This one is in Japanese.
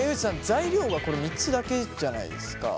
材料は３つだけじゃないですか。